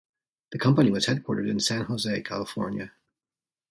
The company was headquartered in San Jose, California.